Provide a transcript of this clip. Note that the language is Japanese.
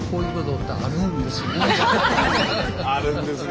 あるんですね。